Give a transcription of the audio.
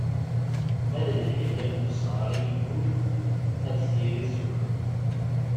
Ma d lḥila n usɣar i yennul, ad tirid s waman.